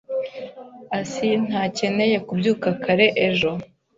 asi ntakeneye kubyuka kare ejo.